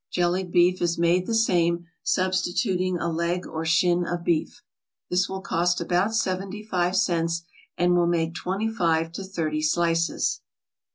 Jellied beef is made the same, substituting a leg or shin of beef. This will cost about seventy five cents, and will make twenty five to thirty slices.